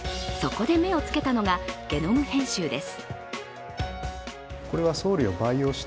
そこで目をつけたのがゲノム編集です。